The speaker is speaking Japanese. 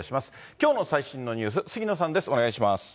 きょうの最新のニュース、杉野さんです。